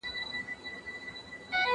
زه به سبا د ژبي تمرين وکړم!.